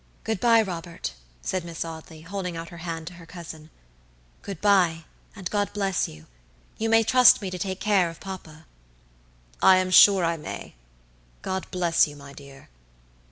"Good by, Robert," said Miss Audley, holding out her hand to her cousin; "good by, and God bless you! You may trust me to take care of papa." "I am sure I may. God bless you, my dear."